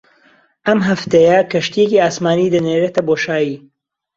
ئەم هەفتەیە کەشتییەکی ئاسمانی دەنێرێتە بۆشایی